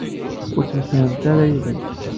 Ur ttemsefhament ara yid-m?